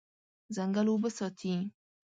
ځنګل اوبه ساتي.